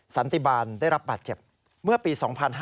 สันติบาลได้รับบาดเจ็บเมื่อปี๒๕๕๙